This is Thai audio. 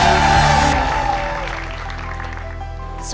ต่อความหวังให้กับคนในครอบครัวครับ